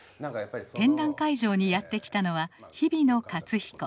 展覧会場にやって来たのは日比野克彦。